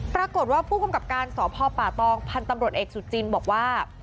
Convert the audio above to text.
ปรากฏว่าผู้กำกับการสพป่าตองพันธ์ตำรวจเอกสุจินบอกว่า